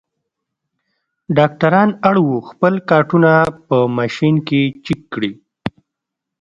ډاکټران اړ وو خپل کارټونه په ماشین کې چک کړي.